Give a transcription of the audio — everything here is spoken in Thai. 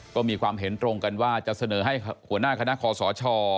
ก็มีความเห็นตรงกันว่าจะเสนอให้หัวหน้าคณะคอสช